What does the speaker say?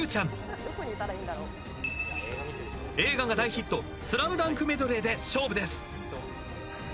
映画が大ヒット『ＳＬＡＭＤＵＮＫ』メドレーで勝負です。